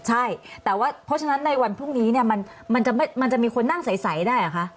ใช่แต่ว่าเพราะฉะนั้นในวันพรุ่งนี้เนี่ยมันจะมีคนนั่งใสได้เหรอคะ